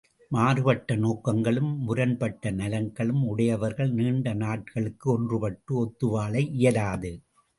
மாறுபட்ட நோக்கங்களும், முரண்பட்ட நலன்களும் உடையவர்கள் நீண்ட நாட்களுக்கு ஒன்றுபட்டு ஒத்து வாழ இயலாது.